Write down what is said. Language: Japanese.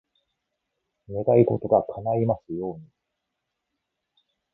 願い事が叶いますように。